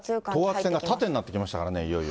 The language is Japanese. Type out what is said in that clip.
等圧線が縦になってきましたからね、いよいよ。